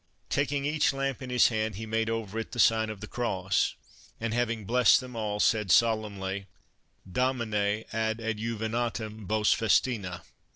Taking each lamp in his hand he made over it the sign of the cross, and having blessed them all said solemnly :" Domwe, ad adjuvandem vos festina."